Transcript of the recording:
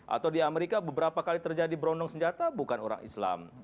atau di amerika beberapa kali terjadi berondong senjata bukan orang islam